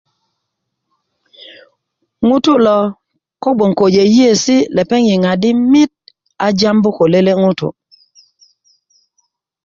ŋutu lo ko bgoŋ ko yeyiyesi lepeŋ yiŋa di mit a jambu ko lele ŋutu